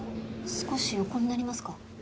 少し横になりますか？